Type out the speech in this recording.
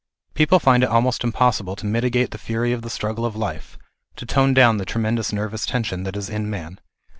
People find it is almost impossible to mitigate the fury of the struggle of life, to tone down the tremendous nervous tension that is in man.